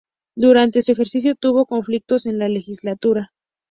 Durante su ejercicio tuvo conflictos con la legislatura.